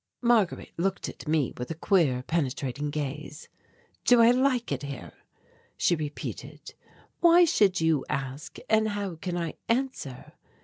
Marguerite looked at me with a queer penetrating gaze. "Do I like it here?" she repeated. "Why should you ask, and how can I answer?